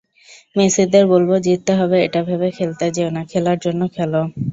মেসিদের বলব, জিততে হবে এটা ভেবে খেলতে যেয়ো না, খেলার জন্য খেলো।